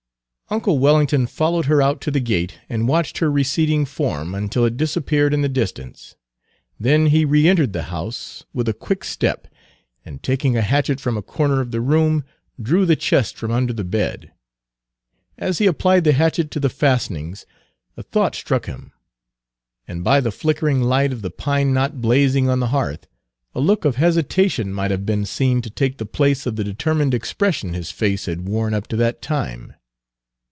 Uncle Wellington followed her out to the gate, and watched her receding form until it disappeared in the distance. Then he reentered the house with a quick step, and taking a hatchet from a corner of the room, drew the chest from under the bed. As he applied the hatchet to the fastenings, a thought struck him, and by the flickering light of the pine knot blazing on the hearth, a look of hesitation might have been seen to take the place of the determined expression his face had worn up to that time.